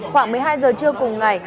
khoảng một mươi hai h trưa cùng ngày